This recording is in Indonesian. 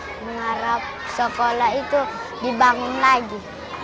mengharap sekolah itu dibangun lagi